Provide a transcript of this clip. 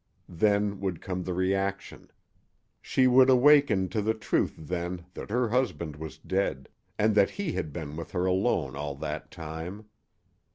Then would come the reaction. She would awaken to the truth then that her husband was dead, and that he had been with her alone all that time.